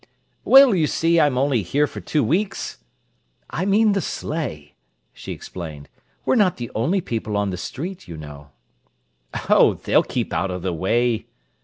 "Well, you see, I'm only here for two weeks." "I mean the sleigh!" she explained. "We're not the only people on the street, you know." "Oh, they'll keep out of the way."